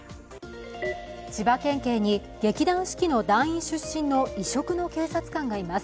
千葉県警に劇団四季の団員出身の異色の警察官がいます。